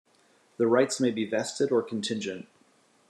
The rights may be vested or contingent.